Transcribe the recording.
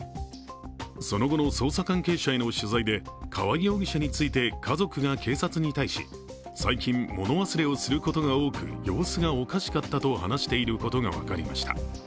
その後の捜査関係者への取材で、川合容疑者について家族が警察に対し、最近物忘れをすることが多く様子がおかしかったと話していることが分かりました。